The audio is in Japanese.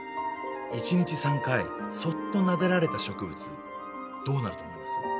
一日３回そっとなでられた植物どうなると思います？